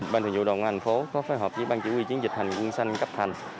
ban thường dụ đồng hành phố có phối hợp với ban chỉ huy chiến dịch hành quân xanh cấp thành